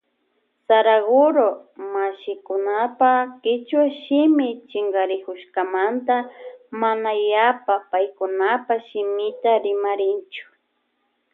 Saraguro mashikunapa kichwa shimi chinkarikushkamanta mana yapa paykunapa shimita rimarinchu.